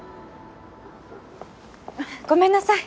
ごめんなさい。